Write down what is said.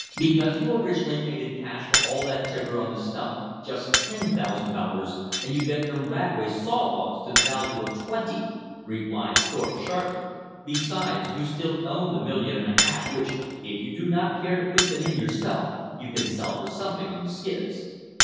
"Because you originally paid in cash for all that timber on the stump just ten thousand dollars and you get from Radway saw logs to the value of twenty," replied Thorpe sharply. "Besides you still own the million and a half which, if you do not care to put them in yourself, you can sell for something on the skids."